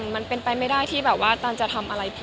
มันเป็นไปไม่ได้ที่แบบว่าตันจะทำอะไร